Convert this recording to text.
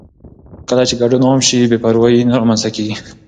کله چې ګډون عام شي، بې پروايي نه رامنځته کېږي.